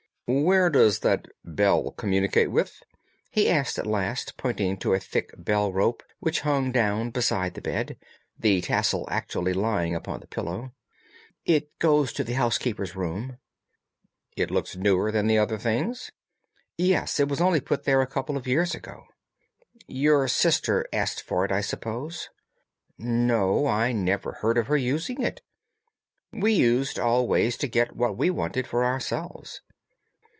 "Where does that bell communicate with?" he asked at last pointing to a thick bell rope which hung down beside the bed, the tassel actually lying upon the pillow. "It goes to the housekeeper's room." "It looks newer than the other things?" "Yes, it was only put there a couple of years ago." "Your sister asked for it, I suppose?" "No, I never heard of her using it. We used always to get what we wanted for ourselves."